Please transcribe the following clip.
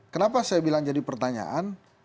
kenapa saya bilang jadi pertanyaan